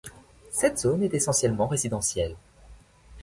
Cette zone est essentiellement résidentielle.